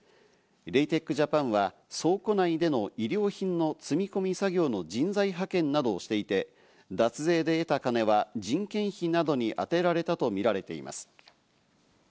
レイテック・ジャパンは倉庫内での衣料品の積み込み作業の人材派遣などをしていて脱税で得た金は人件費などにあてられたとみられています。